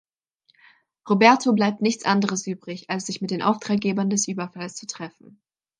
Roberto bleibt nichts anderes übrig, als sich mit den Auftraggebern des Überfalls zu treffen.